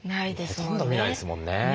ほとんど見ないですもんね。